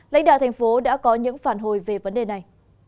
lãnh đạo thành phố đã có những phản hồi về vấn đề này